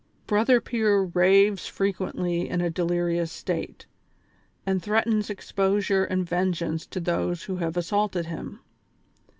Brother Pier raves fre quently in a delirious state, and threatens exposure and vengeance to those who have assaulted him.